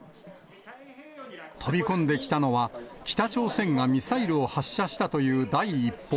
飛び込んできたのは、北朝鮮がミサイルを発射したという第一報。